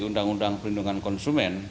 undang undang perlindungan konsumen